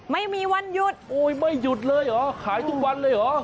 ไม่มีวันหยุดโอ้ยไม่หยุดเลยเหรอขายทุกวันเลยเหรอ